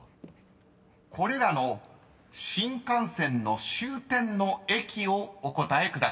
［これらの新幹線の終点の駅をお答えください］